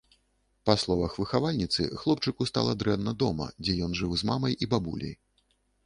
Па словах выхавальніцы, хлопчыку стала дрэнна дома, дзе ён жыў з мамай і бабуляй.